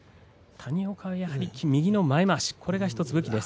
谷岡は右の前まわしが１つ武器です。